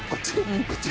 こっち？